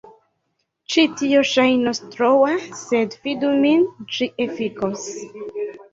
Ĉi tio ŝajnos troa sed fidu min, ĝi efikos.